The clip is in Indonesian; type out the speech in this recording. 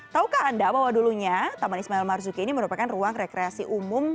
taukah anda bahwa dulunya taman ismail marzuki ini merupakan ruang rekreasi umum